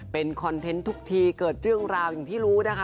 เป็นคอนเทนต์ทุกทีเกิดเรื่องราวอย่างที่รู้นะคะ